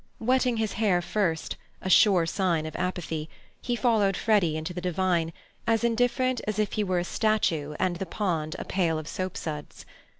Wetting his hair first—a sure sign of apathy—he followed Freddy into the divine, as indifferent as if he were a statue and the pond a pail of soapsuds.